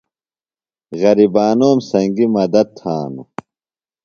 غرِبانوم سنگیۡ مدت تھانوۡ۔